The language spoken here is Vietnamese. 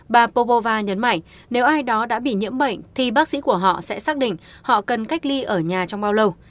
bà pobova nhấn mạnh nếu ai đó đã bị nhiễm bệnh thì bác sĩ của họ sẽ xác định họ cần cách ly ở nhà trong bao lâu